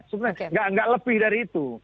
sebenarnya nggak lebih dari itu